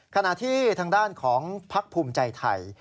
ขณะที่ทางด้านของพักภูมิใจไทย